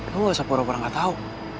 lo gak usah pura pura gak tahu